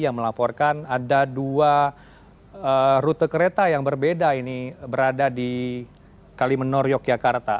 yang melaporkan ada dua rute kereta yang berbeda ini berada di kalimenur yogyakarta